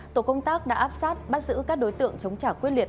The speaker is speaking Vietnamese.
tổ công tác đã áp sát bắt giữ các đối tượng chống trả quyết liệt